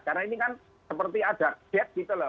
karena ini kan seperti ada jet gitu loh